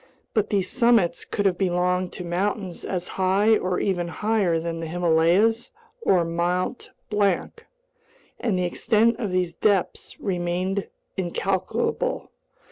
But these summits could have belonged to mountains as high or even higher than the Himalayas or Mt. Blanc, and the extent of these depths remained incalculable.